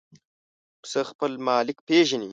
پسه خپل مالک پېژني.